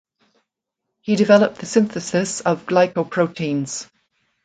He developed the synthesis of glycoproteins.